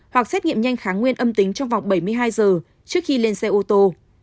hoặc xét nghiệm nhanh kháng nguyên âm tính trong vòng bảy mươi hai giờ trước khi lên xe ô tô